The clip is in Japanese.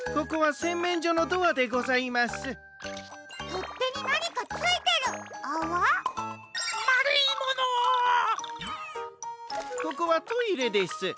ここはトイレです。